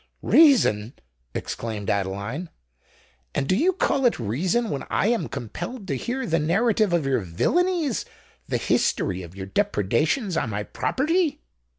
"Reason!" exclaimed Adeline: "and do you call it reason when I am compelled to hear the narrative of your villanies—the history of your depredations on my property?"